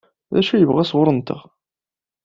D acu i yebɣa sɣur-nteɣ?